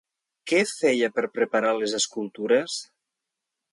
Què feia per preparar les escultures?